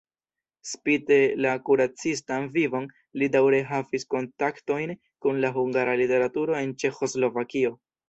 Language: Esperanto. Spite la kuracistan vivon li daŭre havis kontaktojn kun la hungara literaturo en Ĉeĥoslovakio.